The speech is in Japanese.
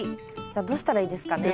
じゃあどうしたらいいですかね？